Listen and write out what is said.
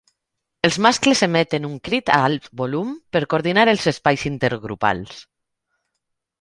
Els mascles emeten un crit a alt volum per coordinar els espais intergrupals.